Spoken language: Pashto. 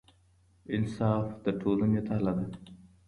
انصاف د ټولنې تله ده.